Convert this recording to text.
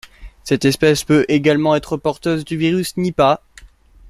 Cette espèce peut également être porteuse du virus Nipah.